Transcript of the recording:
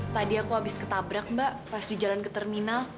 tadi aku habis ketabrak mbak pas di jalan ke terminal